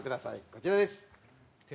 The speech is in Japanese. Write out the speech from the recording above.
こちらです。